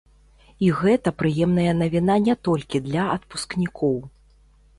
І гэта прыемная навіна не толькі для адпускнікоў.